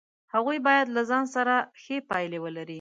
هغوی باید له ځان سره ښې پایلې ولري.